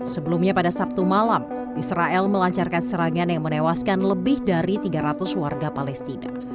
sebelumnya pada sabtu malam israel melancarkan serangan yang menewaskan lebih dari tiga ratus warga palestina